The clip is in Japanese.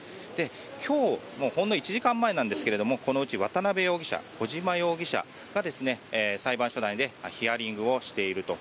今日、ほんの１時間前なんですがこのうち渡邉容疑者と小島容疑者が裁判所内でヒアリングをしていると。